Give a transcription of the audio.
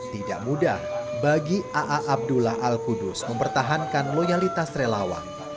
tidak mudah bagi aa abdullah al kudus mempertahankan loyalitas relawan